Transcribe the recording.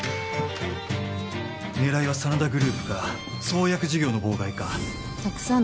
狙いは真田グループか創薬事業の妨害かたくさんの